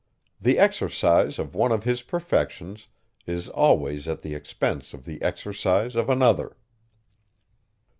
The exercise of one of his perfections is always at the expense of the exercise of another.